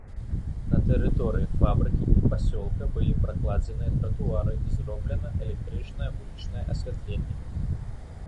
На тэрыторыі фабрыкі і пасёлка былі пракладзеныя тратуары і зроблена электрычнае вулічнае асвятленне.